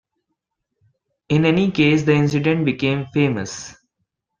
In any case the incident became famous.